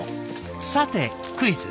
さてクイズ。